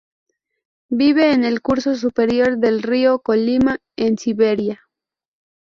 Vive en el curso superior del río Kolymá, en Siberia.